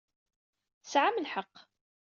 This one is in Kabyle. Tesɛam lḥeq.